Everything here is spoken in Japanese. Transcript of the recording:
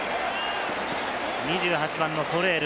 ２８番のソレール。